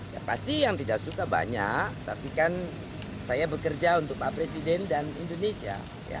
ya pasti yang tidak suka banyak tapi kan saya bekerja untuk pak presiden dan indonesia